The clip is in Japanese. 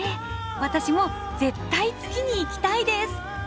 私も絶対月に行きたいです！